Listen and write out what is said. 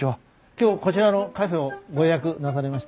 今日こちらのカフェをご予約なされました？